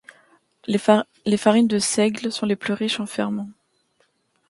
Les farines de seigle sont les plus riches en ferments.